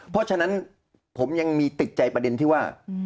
เพราะฉะนั้นผมยังมีติดใจประเด็นที่ว่า